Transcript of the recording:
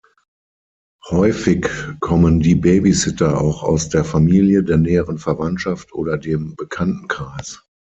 Häufig kommen die Babysitter auch aus der Familie, der näheren Verwandtschaft oder dem Bekanntenkreis.